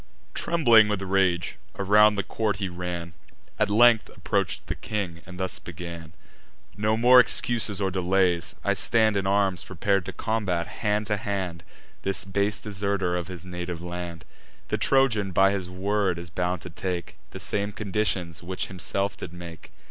Trembling with rage, around the court he ran, At length approach'd the king, and thus began: "No more excuses or delays: I stand In arms prepar'd to combat, hand to hand, This base deserter of his native land. The Trojan, by his word, is bound to take The same conditions which himself did make.